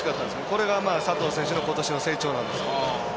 これが佐藤選手のことしの成長なんですよ。